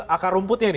akar rumputnya ini